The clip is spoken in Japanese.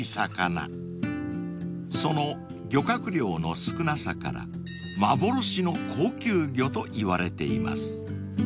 ［その漁獲量の少なさから幻の高級魚といわれています］